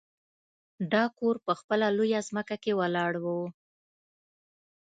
دا کور په خپله لویه ځمکه کې ولاړ و